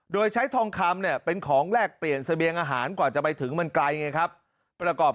โดยใช้ทองคำเนี่ยเป็นของแลกเปลี่ยนเสบียงอาหารกว่าจะไปถึงมันไกลไงครับ